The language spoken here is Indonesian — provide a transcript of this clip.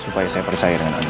supaya saya percaya dengan anda